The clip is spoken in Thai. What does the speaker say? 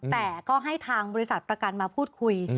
แต่ก็ให้ทางบริษัทประกันมาพูดคุย